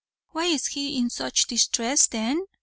"Why is he in such distress then?"